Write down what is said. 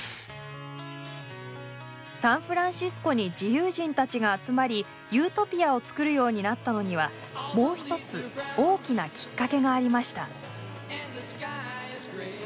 サンフランシスコに自由人たちが集まりユートピアを作るようになったのにはもう一つ大きなきっかけがありました。